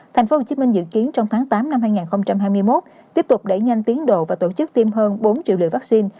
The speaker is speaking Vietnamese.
tp hcm dự kiến trong tháng tám năm hai nghìn hai mươi một tiếp tục đẩy nhanh tiến độ và tổ chức tiêm hơn bốn triệu liều vaccine